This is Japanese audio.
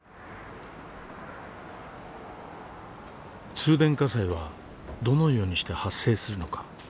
通電火災はどのようにして発生するのか。